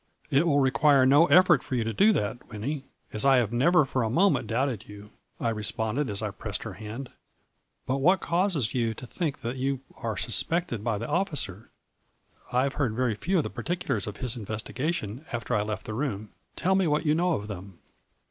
"' It will require no effort for you to do that, Winnie, as I have never for a moment doubted you,' I responded, as I pressed her hand. 4 But what causes you to think that you are suspected by the officer? I have heard very few of the particulars of his investigation after I left the room. Tell me what you know of them.